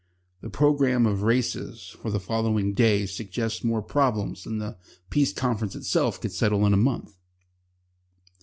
The programme of races for the following day suggests more problems than the Peace Conference itself could settle in a month.